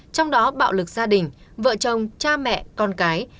trong đó bạo lực gia đình vợ chồng cha mẹ con cái